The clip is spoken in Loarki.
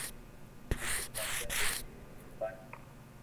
پسي او راجا اي او سپايو ني